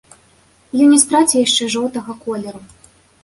Ён не страціў яшчэ жоўтага колеру.